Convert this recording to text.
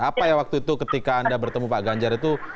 apa ya waktu itu ketika anda bertemu pak ganjar itu